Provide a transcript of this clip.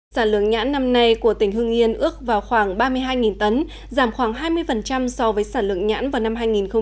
sản lượng nhãn năm nay của tỉnh hưng yên ước vào khoảng ba mươi hai tấn giảm khoảng hai mươi so với sản lượng nhãn vào năm hai nghìn một mươi bảy